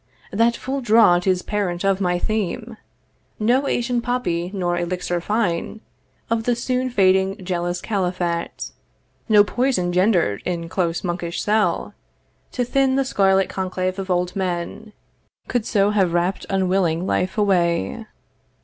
That full draught is parent of my theme. No Asian poppy nor elixir fine Of the soon fading jealous Caliphat, No poison gender'd in close monkish cell To thin the scarlet conclave of old men, Could so have rapt unwilling life away.